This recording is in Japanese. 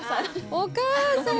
お母さん！